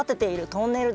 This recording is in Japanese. トンネル？